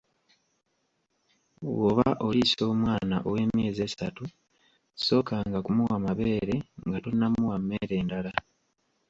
Bw'oba oliisa omwana ow'emyezi esatu , sookanga kumuwa mabeere nga tonnamuwa mmere ndala.